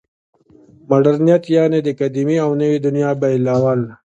مډرنیت یعنې د قدیمې او نوې دنیا بېلول.